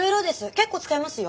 結構使いますよ。